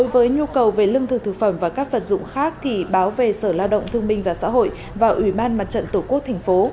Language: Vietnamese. với nhu cầu về lương thực thực phẩm và các vật dụng khác thì báo về sở lao động thương minh và xã hội và ủy ban mặt trận tổ quốc thành phố